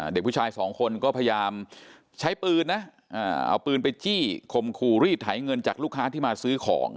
เด็กผู้ชายสองคนก็พยายามใช้ปืนนะเอาปืนไปจี้คมขู่รีดไถเงินจากลูกค้าที่มาซื้อของ